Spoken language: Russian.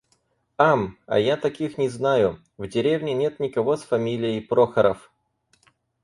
Ам, а я таких не знаю. В деревне нет никого с фамилией Прохоров.